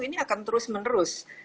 ini akan terus menerus